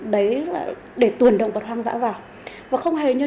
đấy là để tuồn động vật hoang dã vào